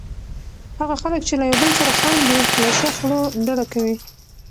هغه خلک چې له یو بل سره خاندي، له شخړو ډډه کوي.